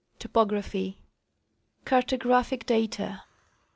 Topography. Cartographic Data..